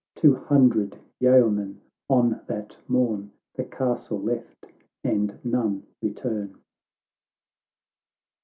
Two hundred yeomen on that morn The castle left, and none return.